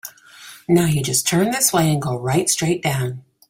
Now you just turn this way and go right straight down.